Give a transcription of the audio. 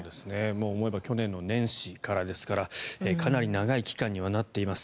思えば去年の年始からですからかなり長い期間にはなっています。